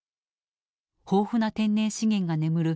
豊富な天然資源が眠る